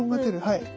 はい。